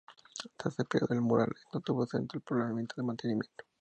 Tras este periodo, el mural no estuvo exento de problemas de mantenimiento.